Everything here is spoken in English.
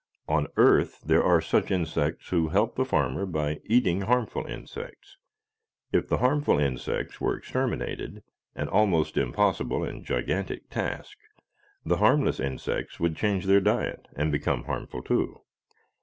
On Earth there are such insects who help the farmer by eating harmful insects. If the harmful insects were exterminated an almost impossible and gigantic task the harmless insects would change their diet and become harmful too.